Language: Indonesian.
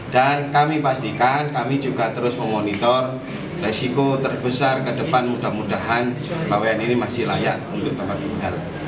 dan kami pastikan kami juga terus memonitor resiko terbesar ke depan mudah mudahan bahwa yang ini masih layak untuk tempat tinggal